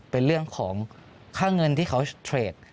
เป็นเรื่องของค่าเงินที่เขาเทรด